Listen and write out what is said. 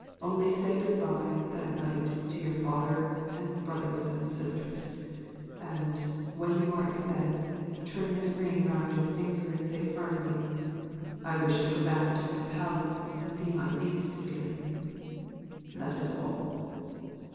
Only say good bye, that night, to your father, and brothers, and sisters; and, when you are in bed, turn this ring round on your finger and say firmly: "I wish to go back to my palace and see my Beast again." That is all.